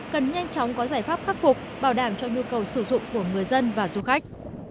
cần nhanh chóng có giải pháp khắc phục bảo đảm cho nhu cầu sử dụng của người dân và du khách